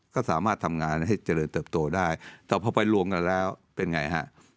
ก็สามารถทำงานให้เจริญเติบโตได้แต่พอไปรวมกันแล้วเป็นไงฮะ